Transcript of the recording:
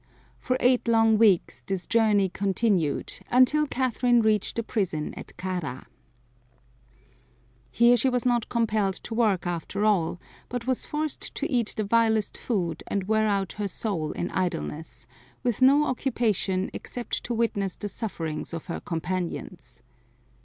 For eight long weeks this journey continued until Catherine reached the prison at Kara. Here she was not compelled to work after all, but was forced to eat the vilest food and wear out her soul in idleness, with no occupation except to witness the sufferings of her companions.